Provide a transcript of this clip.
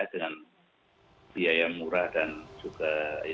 dengan biaya murah dan juga